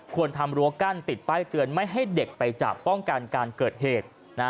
ควรทำรั้วกั้นติดป้ายเตือนไม่ให้เด็กไปจับป้องกันการเกิดเหตุ